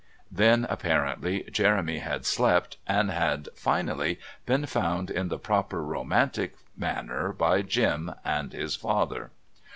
Then, apparently, Jeremy had slept, and had, finally, been found in the proper romantic manner by Jim and his father.